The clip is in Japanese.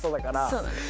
そうなのよ。